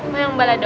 mau yang balado